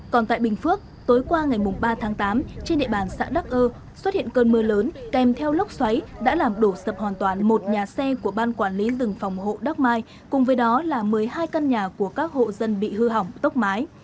còn tại bình phước tối qua ngày ba tháng tám trên địa bàn xã đắc ơ xuất hiện cơn mưa lớn kèm theo lốc xoáy đã làm đổ sập hoàn toàn một nhà xe của ban quản lý rừng phòng hộ đắc mai cùng với đó là một mươi hai căn nhà của các hộ dân bị hư hỏng tốc mái